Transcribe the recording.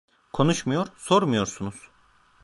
Konuşmuyor, sormuyorsunuz.